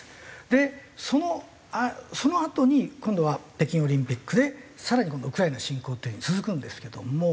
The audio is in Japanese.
でそのあとに今度は北京オリンピックで更に今度はウクライナ侵攻っていう風に続くんですけども。